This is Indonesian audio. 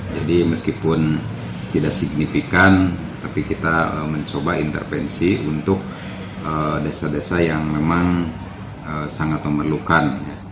jadi meskipun tidak signifikan tapi kita mencoba intervensi untuk desa desa yang memang sangat memerlukan